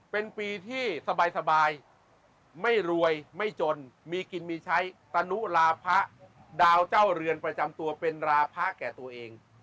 เป็นปีที่สบายไม่รวยไม่จนมีกินมีใช้ตนุลาพะดาวเจ้าเรือนประจำตัวเป็นราพะแก่ตัวเอง